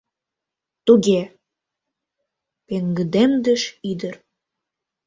— Туге, — пеҥгыдемдыш ӱдыр.